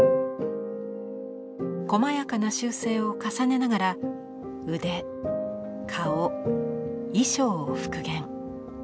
こまやかな修正を重ねながら腕顔衣装を復元。